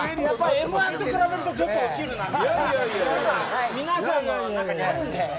Ｍ‐１と比べるとちょっと落ちるなと。